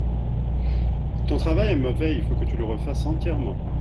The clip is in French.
Ton travail est mauvais, il faut que tu le refasse entièrement.